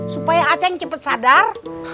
supaya aceh cepat sadar